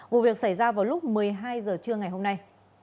vụ việc xảy ra vào lúc một mươi hai h trưa ngày hôm nay